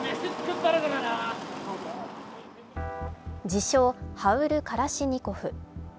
自称、ハウル・カラシニコフ。